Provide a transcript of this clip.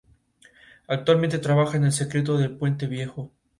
Entre ellos la duquesa de Alba que tuvo especial devoción.